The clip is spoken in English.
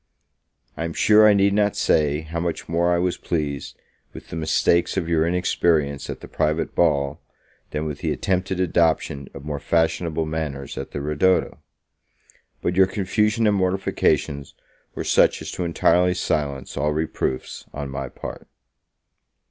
I am sure I need not say, how much more I was pleased with the mistakes of your inexperience at the private ball, than with the attempted adoption of more fashionable manners at the ridotto. But your confusion and mortifications were such as to entirely silence all reproofs on my part.